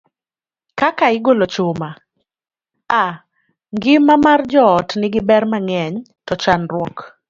Kaka igolo chuma: A. Ngima mar joot nigi ber mang'eny, to chandruok